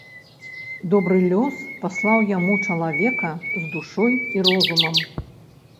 Добры лёс паслаў яму чалавека з душой і розумам.